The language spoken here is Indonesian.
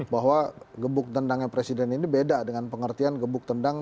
bahwa gebuk tendangnya presiden ini beda dengan pengertian gebuk tendang